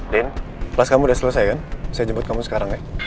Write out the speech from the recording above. den kelas kamu udah selesai kan saya jemput kamu sekarang ya